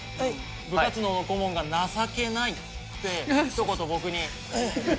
部活動の顧問がなさけないってひと言